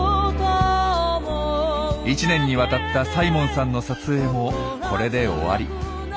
１年にわたったサイモンさんの撮影もこれで終わり。